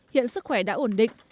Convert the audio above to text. hiện sức khỏe đã ổn định